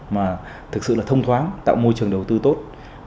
mà thực sự là thông thoáng tạo môi trường đầu tư tốt